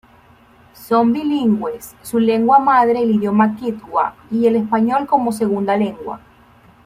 Son bilingües, su lengua madre el idioma kichwa y el español como segunda lengua.